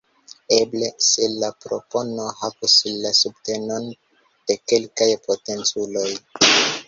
Eble - se la propono havus la subtenon de kelkaj potenculoj.